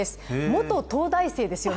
元東大生ですよ